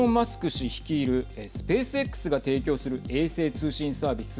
氏率いるスペースＸが提供する衛星通信サービス